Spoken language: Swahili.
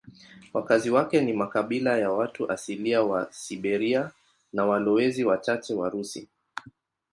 Wakazi wake ni makabila ya watu asilia wa Siberia na walowezi wachache Warusi.